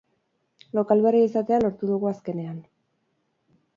Lokal berria izatea lortu dugu azkenean!